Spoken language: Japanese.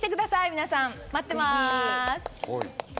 皆さん待ってます。